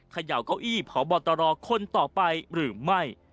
เขย่าก้ออีบขอบอตรอคนต่อไปหรือไม่